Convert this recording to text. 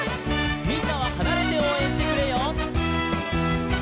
「みんなははなれておうえんしてくれよ」